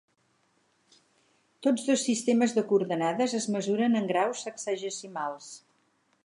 Tots dos sistemes de coordenades es mesuren en graus sexagesimals.